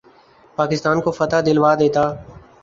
پاکستان کو فتح دلوا دیتا